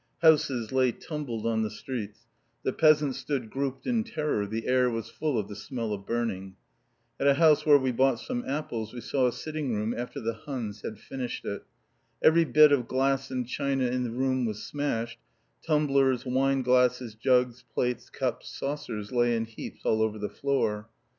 Houses lay tumbled on the streets, the peasants stood grouped in terror, the air was full of the smell of burning. At a house where we bought some apples we saw a sitting room after the Huns had finished it. Every bit of glass and china in the room was smashed, tumblers, wine glasses, jugs, plates, cups, saucers lay in heaps all over the floor.